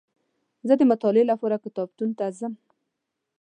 زه دمطالعې لپاره کتابتون ته ځم